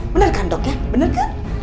bener kan dok ya